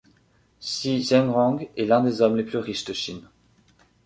Shi Zhengrong est l'un des hommes les plus riches de Chine.